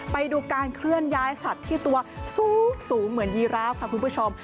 ไปดูการเคลื่อนย้ายสัตว์ที่ตัวสูงเหมือนยีราฟค่ะคุณผู้ชม